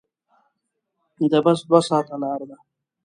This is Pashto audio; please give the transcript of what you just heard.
د بس دوه ساعته لاره ده.